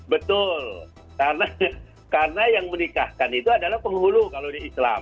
betul karena yang menikahkan itu adalah penghulu kalau di indonesia ya kan